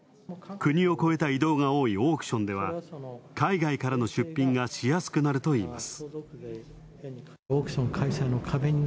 国を越えた移動が多いオークションでは、海外からの出品がしやすくなるといいます。